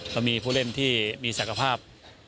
เรามีผู้เล่นที่มีศักภาพ